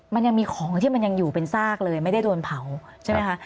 มันยังมีของที่มันยังอยู่เป็นซากเลยไม่ได้โดนเผาใช่ไหมคะ